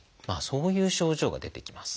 そういう症状が出てきます。